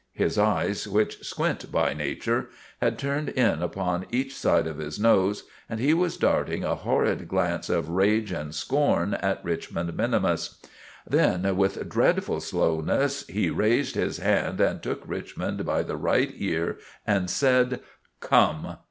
His eyes, which squint by nature, had turned in upon each side of his nose and he was darting a horrid glance of rage and scorn at Richmond minimus. Then, with dreadful slowness, he raised his hand and took Richmond by the right ear and said— "Come!"